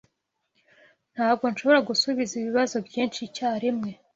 Ntabwo nshobora gusubiza ibibazo byinshi icyarimwe.